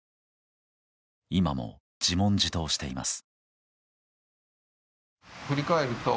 今も自問自答しています。